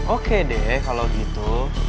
oke deh kalau gitu